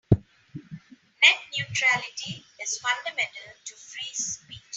Net neutrality is fundamental to free speech.